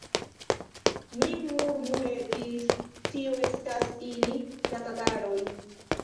mi murmuretis: tio estas ili, la tataroj!